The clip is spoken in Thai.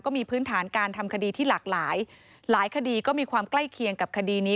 มีพื้นฐานการทำคดีที่หลากหลายหลายคดีก็มีความใกล้เคียงกับคดีนี้